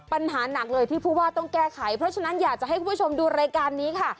ปัญหาหนักเลยที่ผู้ว่าต้องแก้ไขเพราะฉะนั้นอยากจะให้คุณผู้ชมดูรายการนี้ค่ะ